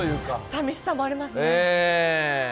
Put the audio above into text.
さみしさもありますね。